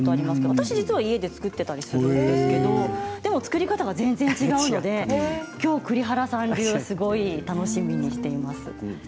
私は家で作ったりしていたんですけれども作り方が全然違うのできょうは栗原さん流すごい楽しみにしています。